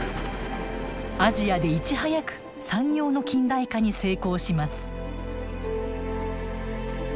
アジアでいち早く産業の近代化に成功します。